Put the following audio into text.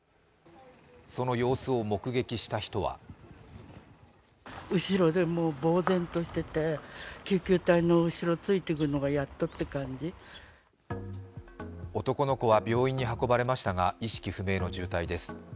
その様子を目撃した人は男の子は病院に運ばれましたが、意識不明の重体です。